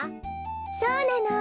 そうなの。